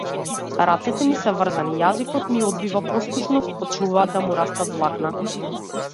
Рацете ми се врзани, јазикот ми одбива послушност, почнуваат да му растат влакна.